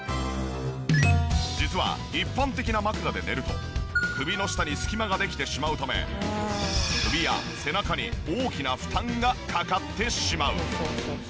実は一般的な枕で寝ると首の下に隙間ができてしまうため首や背中に大きな負担がかかってしまう。